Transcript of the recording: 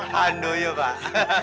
hantu yuk pak